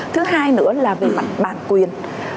thứ hai nữa là về bản quyền